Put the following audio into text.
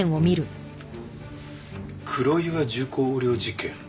黒岩重工横領事件。